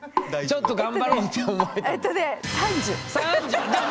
ちょっと頑張ろうと思えたんですか？